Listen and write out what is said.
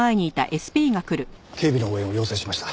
警備の応援を要請しました。